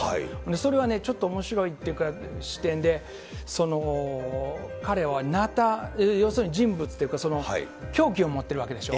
それはちょっとおもしろいっていうか、視点で、彼はなた、要するに人物というか、凶器を持ってるわけでしょ。